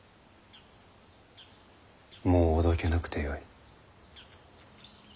もうおどけなくてよい。